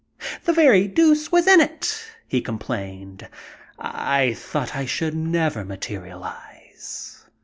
"The very deuce was in it!" he complained; "I thought I should never materialize."